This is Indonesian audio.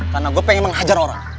karena gua pengen menghajar orang